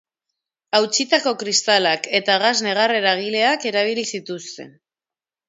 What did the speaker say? Hautsitako kristalak eta gas negar-eragileak erabili zituzten.